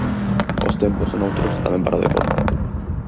Os tempos son outros tamén para o deporte.